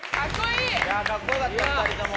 カッコよかった２人とも。